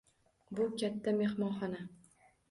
Bu katta mehmonxona.